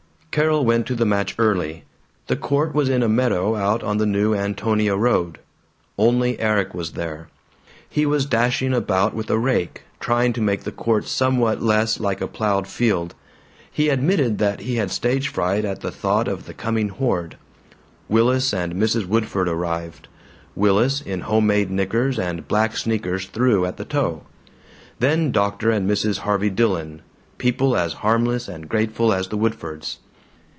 Carol went to the match early. The court was in a meadow out on the New Antonia road. Only Erik was there. He was dashing about with a rake, trying to make the court somewhat less like a plowed field. He admitted that he had stage fright at the thought of the coming horde. Willis and Mrs. Woodford arrived, Willis in home made knickers and black sneakers through at the toe; then Dr. and Mrs. Harvey Dillon, people as harmless and grateful as the Woodfords.